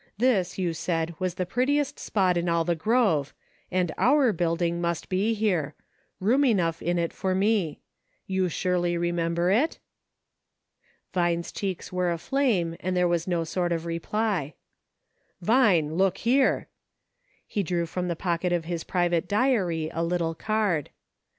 This, you said, was the prettiest spot in all the grove, and our building must be here ; room enough in it for me. You surely remember it.''" Vine's cheeks were aflame, and there was no sort of reply. "Vine, look here ;" he drew from the pocket of his private diary a little card.